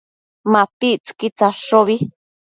MapictsËquid tsadshobi